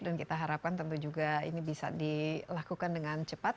dan kita harapkan tentu juga ini bisa dilakukan dengan cepat